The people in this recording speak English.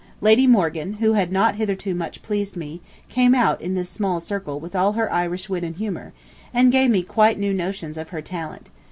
Lady Morgan, who had not hitherto much pleased me, came out in this small circle with all her Irish wit and humor, and gave me quite new notions of her talent.